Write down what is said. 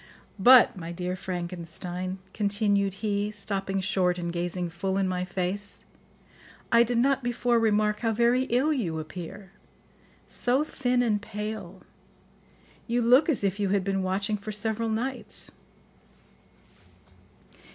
But, my dear Frankenstein," continued he, stopping short and gazing full in my face, "I did not before remark how very ill you appear; so thin and pale; you look as if you had been watching for several nights."